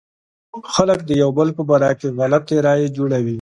خلک د يو بل په باره کې غلطې رايې جوړوي.